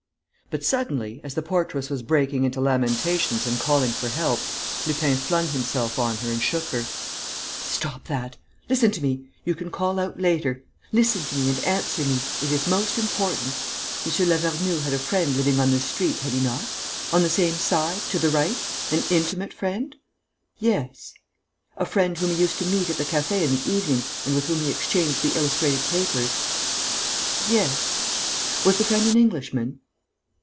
But, suddenly, as the portress was breaking into lamentations and calling for help, Lupin flung himself on her and shook her: "Stop that!... Listen to me ... you can call out later.... Listen to me and answer me. It is most important. M. Lavernoux had a friend living in this street, had he not? On the same side, to the right? An intimate friend?" "Yes." "A friend whom he used to meet at the café in the evening and with whom he exchanged the illustrated papers?" "Yes." "Was the friend an Englishman?"